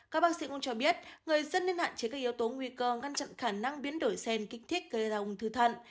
các bác sĩ cũng cho biết người dân nên hạn chế các yếu tố nguy cơ ngăn chặn khả năng biến đổi sen kích thích gây ra ung thư thận